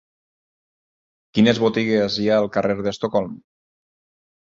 Quines botigues hi ha al carrer d'Estocolm?